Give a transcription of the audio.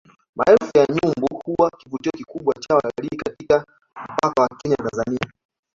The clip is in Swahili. Maelfu ya nyumbu huwa kivutio kikubwa cha watalii katika mpaka wa Kenya na Tanzania